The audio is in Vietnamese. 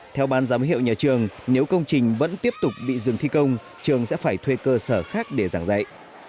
theo ban giám hiệu nhà trường nếu công trình vẫn tiếp tục bị dừng thi công trường sẽ phải thuê cơ sở khác để giảng dạy